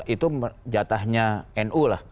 itu jatahnya nu lah